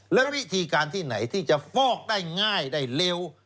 แล้ววิธีการที่ไหนที่จะฟอกได้ง่ายได้เร็ว